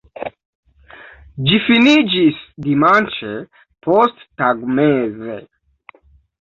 Ĝi finiĝis dimanĉe posttagmeze.